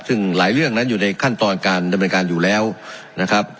ซึ่งหลายเรื่องนั้นอยู่ในขั้นตอนการดำเนินการอยู่แล้วนะครับ